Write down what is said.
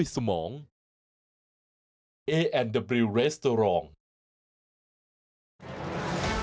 ช่วงวิทย์ตีแสงหน้า